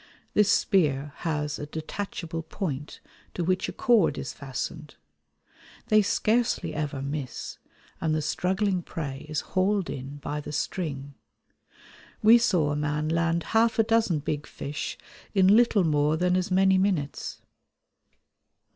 This spear has a detachable point to which a cord is fastened. They scarcely ever miss, and the struggling prey is hauled in by the string. We saw a man land half a dozen big fish in little more than as many minutes.